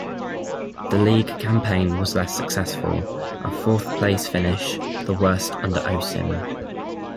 The league campaign was less successful - a fourth-place finish, the worst under Osim.